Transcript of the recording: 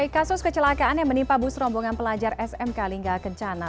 kasus kecelakaan yang menimpa bus rombongan pelajar smk lingga kencana